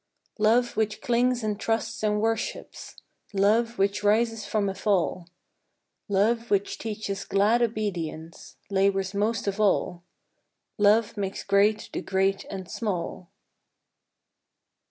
Love which clings and trusts and worships, Love which rises from a fall, Love which teaches glad obedience Labors most of all, Love makes great the great and small.